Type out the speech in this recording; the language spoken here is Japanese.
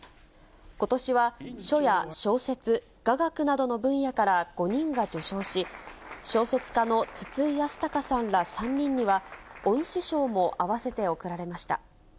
ことしは書や小説、雅楽などの分野から５人が受賞し、小説家の筒井康隆さんら３人には、恩賜賞も併せて贈られました。